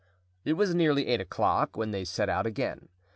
It was nearly eight o'clock when they set out again.